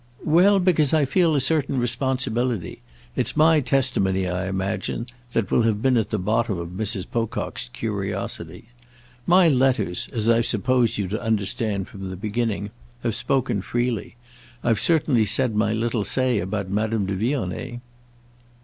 "Well, because I feel a certain responsibility. It's my testimony, I imagine, that will have been at the bottom of Mrs. Pocock's curiosity. My letters, as I've supposed you to understand from the beginning, have spoken freely. I've certainly said my little say about Madame de Vionnet."